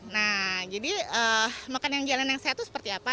nah jadi makan yang jalan yang sehat itu seperti apa